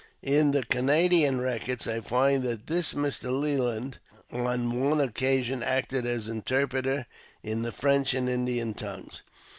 In the Canadian records I find that this Mr. Leland on one occasion acted as interpreter in the French and Indian tongues.